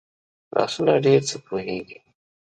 لاسونه ډېر څه پوهېږي